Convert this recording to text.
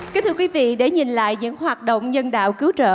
kính thưa quý vị để nhìn lại những hoạt động nhân đạo cứu trợ